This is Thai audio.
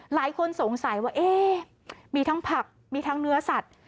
หลายคนสงสัยว่าเอ๊ะมีทั้งผักมีทั้งเนื้อสัตว์